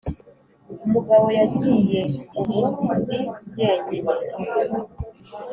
umugabo, yagiyeubu ndi jyenyine,